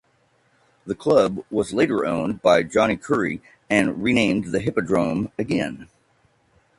The club was later owned by Johnnie Currie and renamed The Hippodrome again.